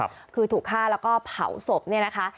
ครับคือถูกฆ่าและก็เผาศพนี่นะคะ